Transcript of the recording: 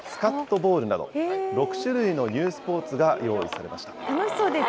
ボールなど、６種類のニュースポーツが用意されました。